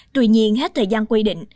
tuy nhiên hết thời gian quy định